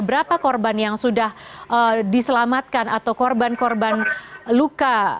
berapa korban yang sudah diselamatkan atau korban korban luka